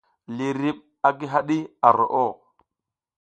Liriɓ a gi haɗi ar roʼo.